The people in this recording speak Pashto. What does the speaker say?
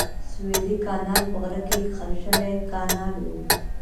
سویلي کانال په غره کې کښل شوی کانال و.